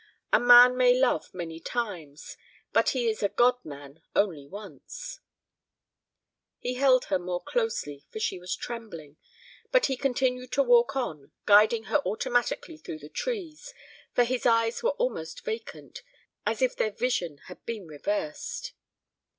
A man may love many times, but he is a god man only once." He held her more closely, for she was trembling, but he continued to walk on, guiding her automatically through the trees, for his eyes were almost vacant, as if their vision had been reversed.